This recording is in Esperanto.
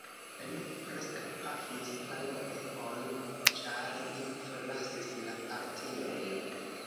Li preskaŭ pafis Balogh-on, ĉar li forlasis la partion.